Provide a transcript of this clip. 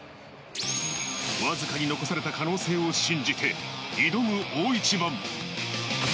わずかに残された可能性を信じて挑む大一番。